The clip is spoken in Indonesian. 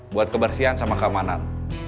buat kebersihan sama keamanan